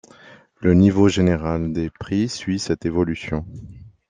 Le niveau général des prix suit cette évolution.